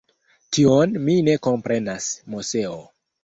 Tion mi ne komprenas, Moseo.